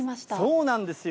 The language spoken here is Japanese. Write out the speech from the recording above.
そうなんですよ。